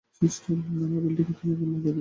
আমার বিল্ডিংয়ে তুমি আগুন লাগিয়ে দিতে পারো না!